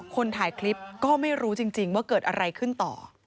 คนถ่ายคลิปก็ไม่รู้จริงว่าเกิดอะไรขึ้นต่อ